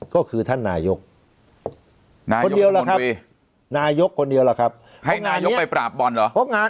ก็คือท่านนายกคนเดียวล่ะครับนายกคนเดียวล่ะครับให้นายกไปปราบบอลเหรอ